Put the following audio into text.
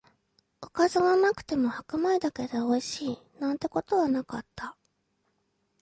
おかずがなくても白米だけでおいしい、なんてことはなかった